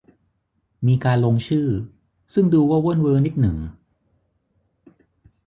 มีการลงชื่อ ซึ่งดูว่าเวิ่นเว้อนิดหนึ่ง